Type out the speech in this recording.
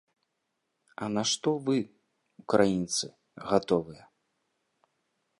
А на што вы, украінцы, гатовыя?